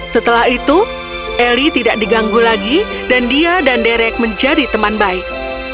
setelah itu eli tidak diganggu lagi dan dia dan derek menjadi teman baik